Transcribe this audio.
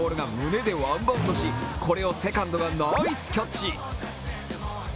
撮りそこねたボールが胸でワンバウンドし、これをセカンドがナイスキャッチ。